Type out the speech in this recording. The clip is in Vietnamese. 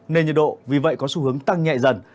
nên nhiệt độ vì vậy có xu hướng tăng nhẹ dần